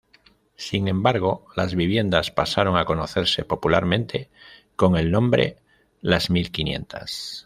Sin embargo, las viviendas pasaron a conocerse popularmente con el nombre "Las Mil Quinientas".